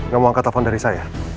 gak mau angkat telfon dari saya